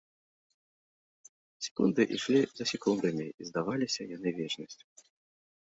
Секунды ішлі за секундамі і здаваліся яны вечнасцю.